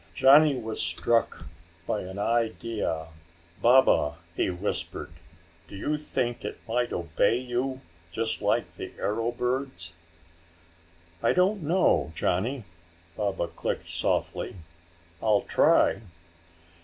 Johnny was struck by an idea. "Baba," he whispered, "do you think it might obey you just like the arrow birds?" "I don't know, Johnny," Baba clicked softly. "I'll try."